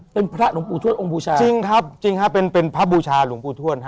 เป็นพระหลวงปู่ทวดองค์บูชาจริงครับจริงฮะเป็นเป็นพระบูชาหลวงปู่ทวดฮ